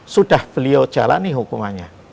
sudah beliau jalani hukumannya